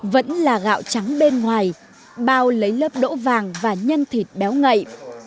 vẫn là gạo trắng bên ngoài bao lấy lớp đỗ vàng và nhân thịt béo ngậy